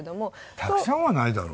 たくさんはないだろ！